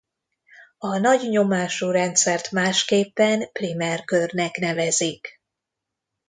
A nagynyomású rendszert másképpen primer körnek nevezik.